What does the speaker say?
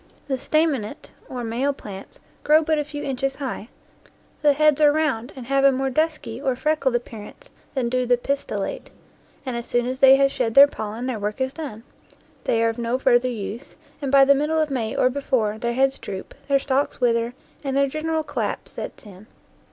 The stanainate, or male, plants grow but a few inches high; the heads are round and have a more dusky or freckled ap pearance than do the pistillate; and as soon as they have shed their pollen their work is done, they are of no further use, and, by the middle of May or before, their heads droop, their stalks wither, and their gen eral collapse sets in.